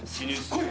来い！